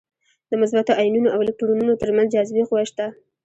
د مثبتو ایونونو او الکترونونو تر منځ جاذبې قوه شته ده.